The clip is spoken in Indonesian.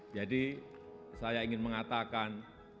jadi saya ingin mengatakan